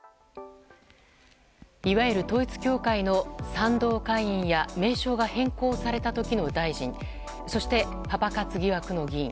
いわゆる統一教会の賛同会員の名称が変更された時の大臣そしてパパ活疑惑の議員。